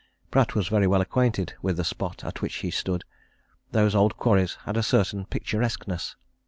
Pratt was very well acquainted with the spot at which he stood. Those old quarries had a certain picturesqueness.